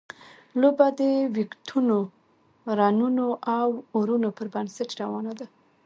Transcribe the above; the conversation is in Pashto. لوبه د ویکټونو، رنونو او اورونو پر بنسټ روانه ده.